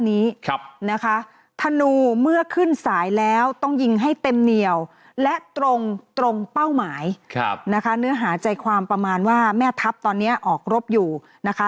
นะคะเนื้อหาใจความประมาณว่าแม่ทัพตอนเนี้ยออกรบอยู่นะคะ